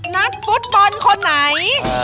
นักฟุตบอลคนไหน